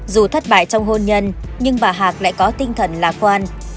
dù thất bại trong hôn nhân nhưng bà hạc lại có tinh thần lạc quan